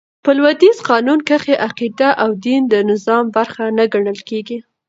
په لوېدیځ قانون کښي عقیده او دين د نظام برخه نه ګڼل کیږي.